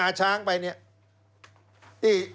เพราะฉะนั้นคุณมิ้นท์พูดเนี่ยตรงเป้งเลย